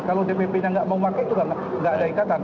kalau dppnya tidak mau memakai itu tidak ada ikatan